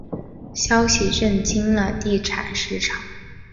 消息震惊了地产市场。